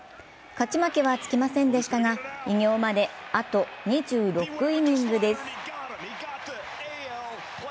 勝ち負けはつきませんでしたが、偉業まで、あと２６イニングです。